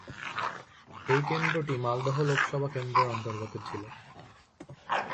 এই কেন্দ্রটি মালদহ লোকসভা কেন্দ্রের অন্তর্গত ছিল।